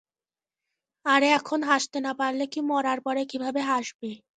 আরে এখন হাসতে না পারলে কি মরার পরে কিভাবে হাসবে?